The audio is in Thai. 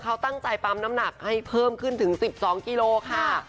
เขาตั้งใจปั๊มน้ำหนักให้เพิ่มขึ้นถึง๑๒กิโลค่ะ